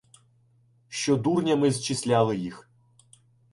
Що дурнями зчисляли їх